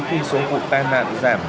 khi số vụ tai nạn giảm